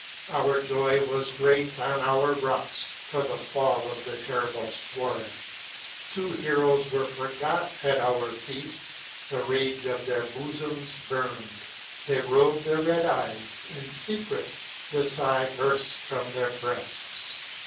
Our joy was great on our rocks, for the fall of the terrible Swaran. Two heroes were forgot at our feaft. The rage of their bo foms burned. They rolled their red eyes in fe cret. The figh burfts from their breafts.